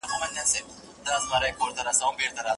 پلار او مور دي اولادونه يو پر بل باندي غوره نه ګڼي.